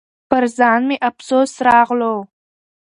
پر ځان مې افسوس راغلو .